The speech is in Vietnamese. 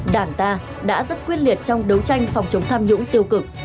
đảng ta đã rất quyết liệt trong đấu tranh phòng chống tham nhũng tiêu cực